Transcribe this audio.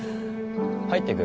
入ってく？